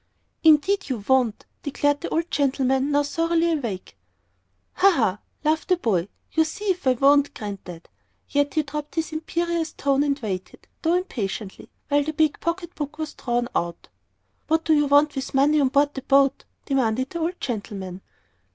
"Indeed, you won't," declared the old gentleman, now thoroughly awake. "Ha! Ha!" laughed the boy. "You see if I won't, Granddad." Yet he dropped his imperious tone, and waited, though impatiently, while the big pocket book was drawn out. "What do you want with money on board the boat?" demanded the old gentleman.